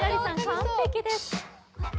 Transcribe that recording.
完璧です